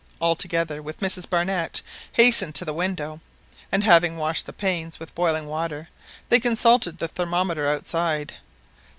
All, together with Mrs Barnett, hastened to the window, and having washed the panes with boiling water, they consulted the thermometer outside.